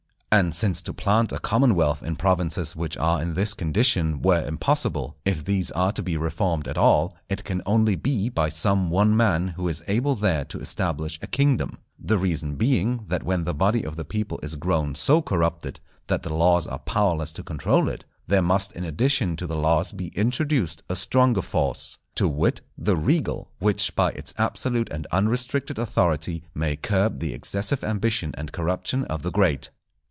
And since to plant a commonwealth in provinces which are in this condition were impossible, if these are to be reformed at all, it can only be by some one man who is able there to establish a kingdom; the reason being that when the body of the people is grown so corrupted that the laws are powerless to control it, there must in addition to the laws be introduced a stronger force, to wit, the regal, which by its absolute and unrestricted authority may curb the excessive ambition and corruption of the great.